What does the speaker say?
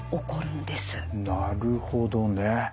なるほどね。